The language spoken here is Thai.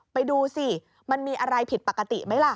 ไปดูสิมันมีอะไรผิดปกติไหมล่ะ